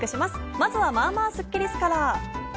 まずは、まあまあスッキりす。